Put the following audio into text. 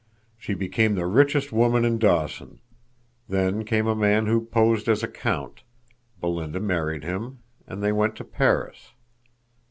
She became the richest woman in Dawson. Then came a man who posed as a count, Belinda married him, and they went to Paris.